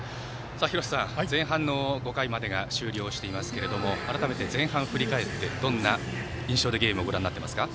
廣瀬さん、前半の５回までが終了していますが改めて前半を振り返ってどんな印象でゲームをご覧になっていますか？